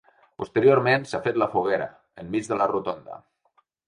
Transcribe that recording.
Posteriorment s’ha fet la foguera, enmig de la rotonda.